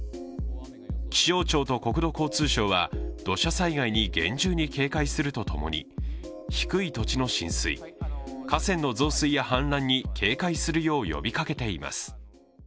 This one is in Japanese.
気象庁と国土交通省は土砂災害に厳重に警戒すると共に低い土地の浸水、河川の増水や氾濫に警戒するよう呼びかけています。